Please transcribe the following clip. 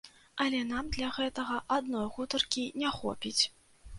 Але нам для гэтага адной гутаркі не хопіць.